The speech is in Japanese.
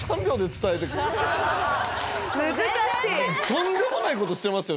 とんでもない事してますよ